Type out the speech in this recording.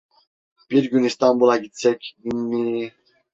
Bir gün İstanbul'a gitsek, niiiinni…